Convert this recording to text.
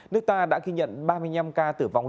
nước ta đã ghi nhận ba mươi năm ca tử vong